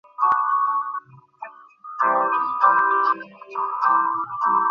কে জানত বেলা না ফুরোতেই এত দৈন্য ঘটবে কপালে।